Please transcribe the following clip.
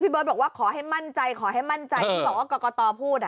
เบิร์ตบอกว่าขอให้มั่นใจขอให้มั่นใจที่บอกว่ากรกตพูด